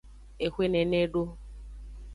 Exwe nene edo.